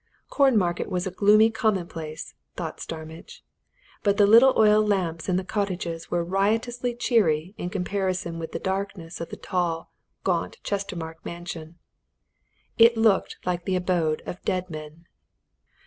Cornmarket was a gloomy commonplace, thought Starmidge, but the little oil lamps in the cottages were riotously cheery in comparison with the darkness of the tall, gaunt Chestermarke mansion. It looked like the abode of dead men.